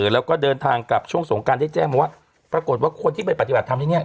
แล้วก็เดินทางกลับช่วงสงการได้แจ้งมาว่าปรากฏว่าคนที่ไปปฏิบัติธรรมที่เนี่ย